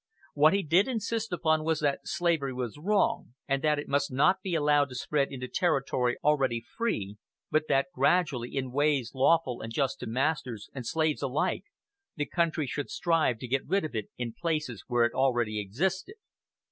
What he did insist upon was that slavery was wrong, and that it must not be allowed to spread into territory already free; but that, gradually, in ways lawful and just to masters and slaves alike, the country should strive to get rid of it in places where it already existed.